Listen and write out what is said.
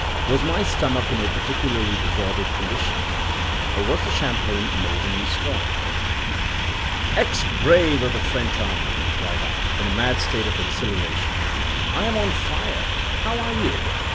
Was my stomach in a particularly disordered condition? Or was the Champagne amazingly strong? "Ex brave of the French Army!" cried I, in a mad state of exhilaration, "I am on fire! how are you?